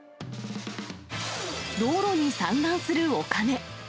道路に散乱するお金。